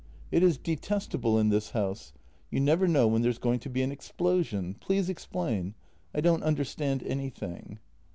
" It is detestable in this house. You never know when there's going to be an explosion. Please explain. I don't understand anything."